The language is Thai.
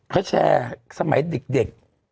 เขาแชร์สมัยเด็ก